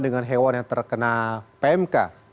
dengan hewan yang terkena pmk